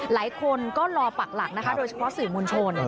หลายคนก็รอปักหลักนะคะโดยเฉพาะสื่อมวลชน